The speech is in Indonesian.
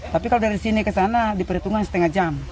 tapi kalau dari sini ke sana diperhitungkan setengah jam